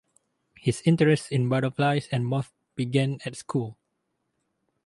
His interest in butterflies and moths began at school.